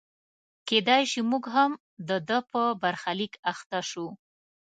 کېدای شي موږ هم د ده په برخلیک اخته شو.